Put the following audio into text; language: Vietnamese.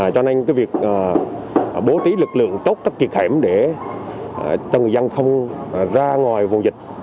cho nên việc bố trí lực lượng tốt các kiệt hẻm để cho người dân không ra ngoài vùng dịch